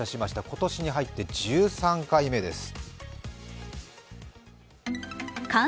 今年に入って１３回目です。